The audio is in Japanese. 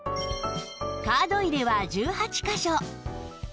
カード入れは１８カ所